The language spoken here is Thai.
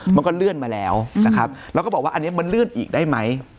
มันก็เลื่อนมาแล้วนะครับแล้วก็บอกว่าอันนี้มันเลื่อนอีกได้ไหม